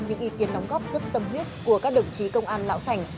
những ý kiến đóng góp rất tâm huyết của các đồng chí công an lão thành